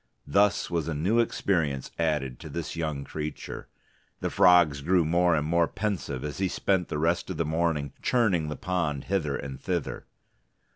Thus was a new experience added to this young creature. The frogs grew more and more pensive as he spent the rest of the morning churning the pond hither and thither.